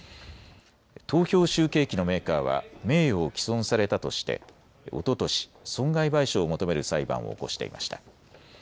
投票集計機のメーカーは名誉を毀損されたとしておととし、損害賠償を求める裁判を起こしていました。